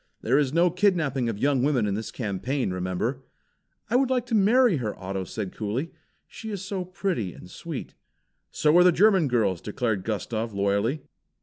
There is no kidnapping of young women in this campaign, remember!" "I would like to marry her," said Otto coolly. "She is so pretty and sweet." "So are the German girls," declared Gustav, loyally.